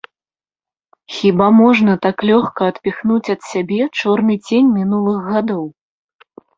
Хіба можна так лёгка адпіхнуць ад сябе чорны цень мінулых гадоў?